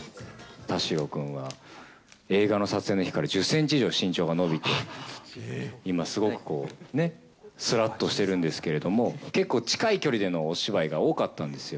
田代君は、映画の撮影の日から１０センチ以上、身長が伸びて、今、すごくこうね、すらっとしてるんですけども、結構近い距離でのお芝居が多かったんですよ。